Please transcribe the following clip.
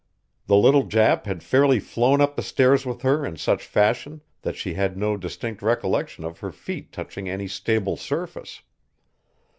The little Jap had fairly flown up the stairs with her in such fashion that she had no distinct recollection of her feet touching any stable surface.